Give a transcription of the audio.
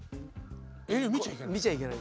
襟を見ちゃいけない。